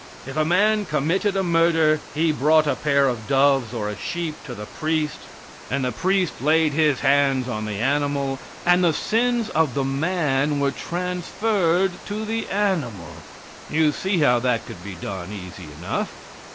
If a man committed a murder he brought a pair of doves or a sheep to the priest, and the priest laid his hands on the animal, and the sins of the man were transferred to the animal. You see how that could be done easy enough.